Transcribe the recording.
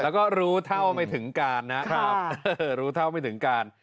แล้วก็รู้เท่าไม่ถึงการนะครับรู้เท่าไม่ถึงการ